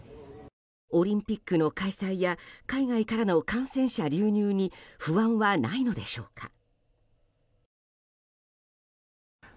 オリンピックの開催や海外からの感染者流入に不安はないのでしょうか。